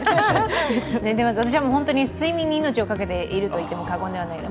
私は本当に睡眠に命をかけているといっても過言ではないです。